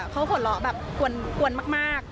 เขาหัวเราะแบบกวนมาก